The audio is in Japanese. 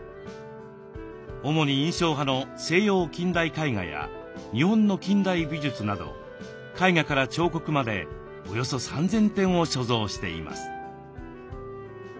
主に印象派の西洋近代絵画や日本の近代美術など絵画から彫刻までおよそ３，０００点を所蔵しています。